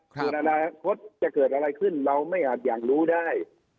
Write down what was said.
ส่วนอนาคตจะเกิดอะไรขึ้นเราไม่อาจอยากรู้ได้